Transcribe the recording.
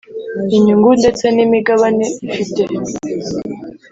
Inyungu ndetse n imigabane ifite